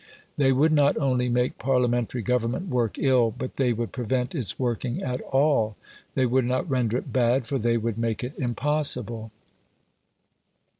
They would not only make Parliamentary government work ill, but they would prevent its working at all; they would not render it bad, for they would make it impossible.